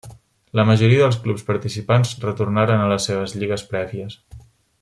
La majoria dels clubs participants retornaren a les seves lligues prèvies.